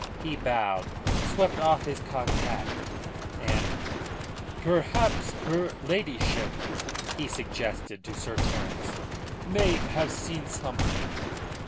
He bowed, swept off his cocked hat, and "Perhaps her ladyship," he suggested to Sir Terence, "may have seen something."